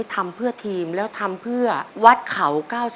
ทำเพื่อทีมแล้วทำเพื่อวัดเขา๙๐